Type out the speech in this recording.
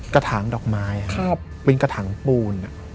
กระถางดอกไม้เป็นกระถางปูน